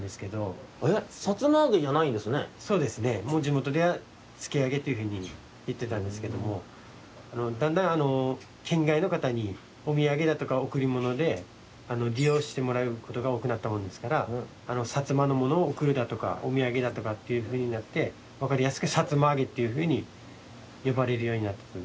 じもとでは「つきあげ」っていうふうにいってたんですけどもだんだんあのけんがいのかたにおみやげだとかおくりものでりようしてもらうことがおおくなったもんですからさつまのものをおくるだとかおみやげだとかっていうふうになってわかりやすく「さつまあげ」っていうふうによばれるようになったという。